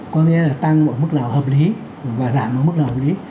có nghĩa là tăng một mức nào hợp lý và giảm một mức nào hợp lý